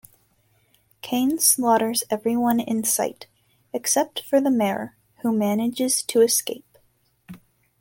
Cain slaughters everyone in sight, except for the mayor who manages to escape.